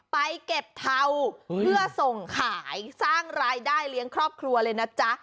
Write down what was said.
ไปเก็บเทาเพื่อส่งขายสร้างรายได้เลี้ยงครอบครัวเลยนะจ๊ะ